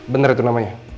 bener itu namanya